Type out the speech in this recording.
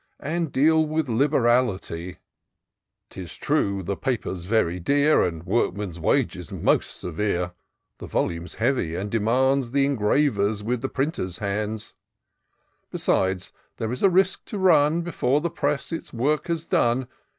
And deal with liberality. IN SEARCH OF THE PICTUREiSaUE. 311 'Tis true that paper's very dear, And workmen's wages most severe : The volume's heavy, and demands Th' engraver's with the printer's hands : Besides, there is a risk to run ; Before the press its work has done.